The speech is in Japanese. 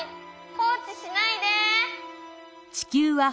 放置しないで！